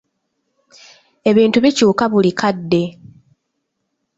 Ebintu bikyuka buli kadde.